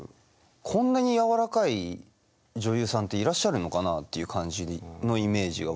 こんなにやわらかい女優さんっていらっしゃるのかなっていう感じのイメージが僕はあって。